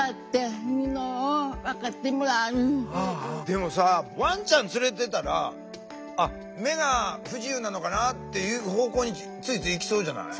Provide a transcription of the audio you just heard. でもさワンちゃん連れてたら目が不自由なのかなっていう方向についついいきそうじゃない？